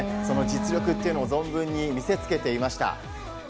その実力というのを存分に見せつけていました。